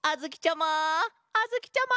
あづきちゃま！